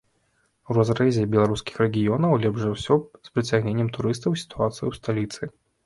У разрэзе беларускіх рэгіёнаў лепш за ўсё з прыцягненнем турыстаў сітуацыя ў сталіцы.